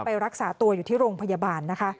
ไปรักษาตัวอยู่ที่โรงพยาบาลนะคะ